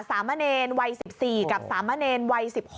สามะเนรวัย๑๔กับสามะเนรวัย๑๖